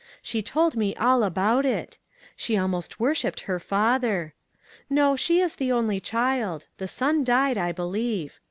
She told me all about it. She almost worshipped her father. No, she is the only child — the son died, I believe.